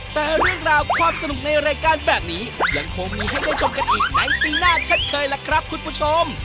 แต่เรื่องราวความสนุกในรายการแบบนี้ยังคงมีให้ได้ชมกันอีกในปีหน้าเช่นเคยล่ะครับคุณผู้ชม